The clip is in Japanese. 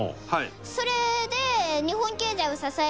それで。